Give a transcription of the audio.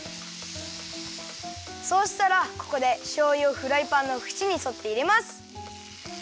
そうしたらここでしょうゆをフライパンのふちにそっていれます。